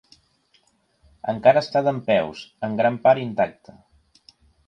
Encara està dempeus, en gran part intacte.